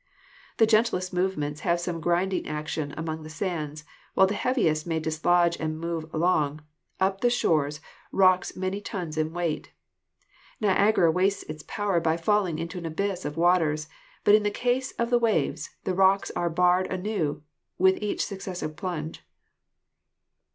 The gentlest movements have some grinding action among the sands, while the heaviest may dislodge and move along, up the shores, rocks many tons in weight. Niagara wastes its power by falling into an abyss of waters, but in the case of the waves the rocks are bared anew for each successive plunge.